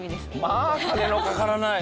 まあ金のかからない。